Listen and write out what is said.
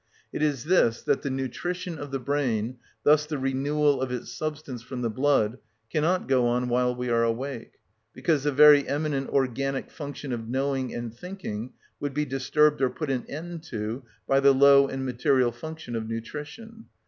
It is this, that the nutrition of the brain, thus the renewal of its substance from the blood, cannot go on while we are awake, because the very eminent organic function of knowing and thinking would be disturbed or put an end to by the low and material function of nutrition.